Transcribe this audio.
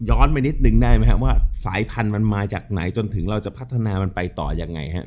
ไปนิดนึงได้ไหมครับว่าสายพันธุ์มันมาจากไหนจนถึงเราจะพัฒนามันไปต่อยังไงฮะ